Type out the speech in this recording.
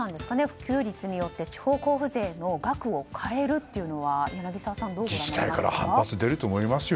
普及率によって地方交付税の額を変えるというのは柳澤さん、どうご覧になりますか。